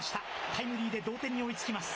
タイムリーで同点に追いつきます。